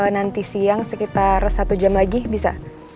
nanti siang sekitar satu jam lagi bisa